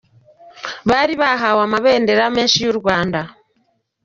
Bari bahawe amabendera menshi y’u Rwanda.